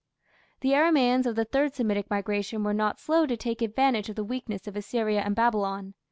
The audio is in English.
The Aramaeans of the Third Semitic migration were not slow to take advantage of the weakness of Assyria and Babylon.